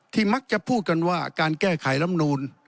มักจะพูดกันว่าการแก้ไขลำนูน